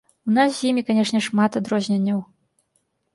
У нас з імі, канешне, шмат адрозненняў.